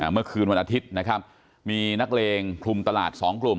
เมื่อคืนวันอาทิตย์นะครับมีนักเลงคลุมตลาด๒กลุ่ม